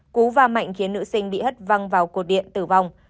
cú va mạnh khiến nữ sinh bị hất văng vào cột điện tử vong